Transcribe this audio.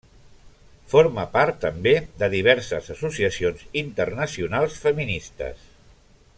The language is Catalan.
Forma part també de diverses associacions internacionals feministes.